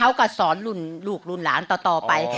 เขาก็สอนลูกอ้านต่อไป